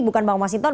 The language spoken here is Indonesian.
bukan bang mas inton